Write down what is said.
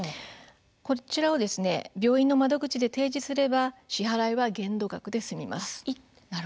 こちらを病院の窓口で提示すれば支払いは限度額で済みます。